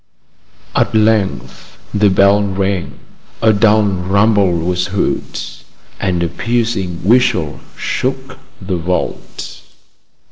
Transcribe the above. At length the bell rang. A dull rumble was heard, and a piercing whistle shook the vault.